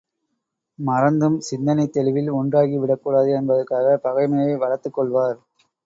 மறந்தும் சிந்தனைத் தெளிவில் ஒன்றாகி விடக்கூடாது என்பதற்காகப் பகைமையை வளர்த்துக் கொள்வார்.